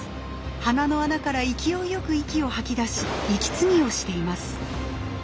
鼻の穴から勢いよく息を吐き出し息継ぎをしています。